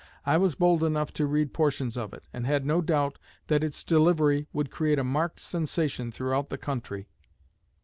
I was bold enough to read portions of it, and had no doubt that its delivery would create a marked sensation throughout the country.